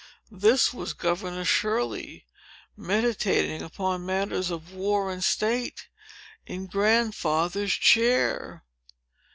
This was Governor Shirley, meditating upon matters of war and state, in Grandfather's chair!